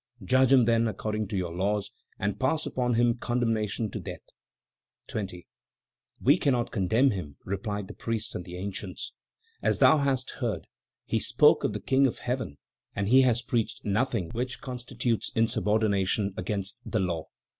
Judge him, then, according to your laws and pass upon him condemnation to death." 20. "We cannot condemn him," replied the priests and the ancients. "As thou hast heard, he spoke of the King of Heaven, and he has preached nothing which constitutes insubordination against the law."